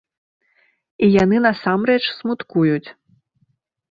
І яны насамрэч смуткуюць.